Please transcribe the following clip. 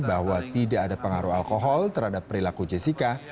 bahwa tidak ada pengaruh alkohol terhadap perilaku jessica